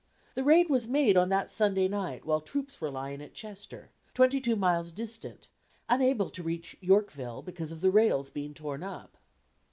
The raid was made on that Sunday night while the troops were lying at Chester, twenty two miles distant, unable to reach Yorkville, because of the rails being torn up.